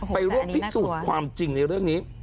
ไปร่วมพิสูจน์ความจริงในเรื่องนี้